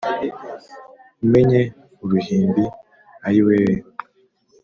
Umenye uruhimbi ayiyeee